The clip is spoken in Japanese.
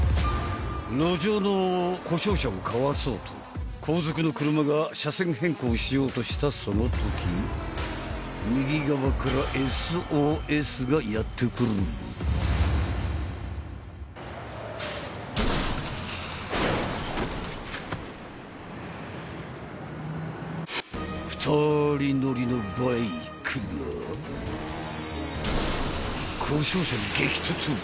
路上の故障車をかわそうと後続の車が車線変更しようとしたその時右側からＳＯＳがやってくる２人乗りのバイクが故障車に激突！